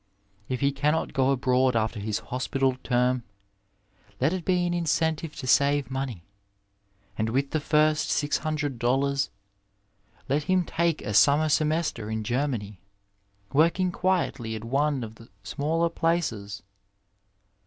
If he cannot go abroad after his hospital term, let it be an incentive to save money, and with the first $600 let him take a summer semester in Germany, working quietly at one of the smaller places.